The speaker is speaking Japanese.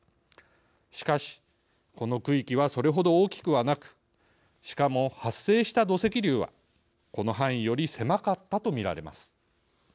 しかし、この区域はそれほど大きくはなくしかも発生した土石流はこの範囲より狭かったとみられます。